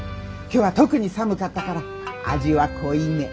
今日は特に寒かったから味は濃いめ。